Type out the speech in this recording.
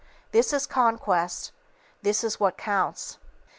This is Conquest; this is what counts.